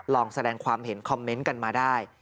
ลองแสดงความเห็นคอมเมนต์กันมาได้